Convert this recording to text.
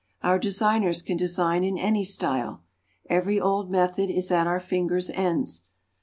Our designers can design in any style. Every old method is at our fingers' ends.